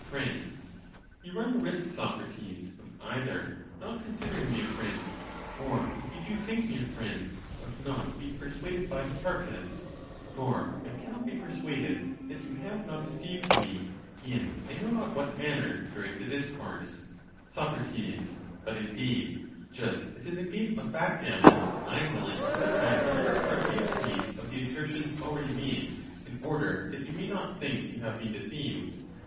' [6.] Fr. You run the risk, Socrates, of either not con sidering me a friend; or, if you do think me a friend, of not being persuaded by Hipparchus : for I cannot be persuaded that you have not deceived me !in I know not what man ner,! during the discourse. Soe. But indeed, just as in the game of backgammon,? IT am willing to put back whatever part you please of the asser tions already made, in order that you may not think you have been deceived.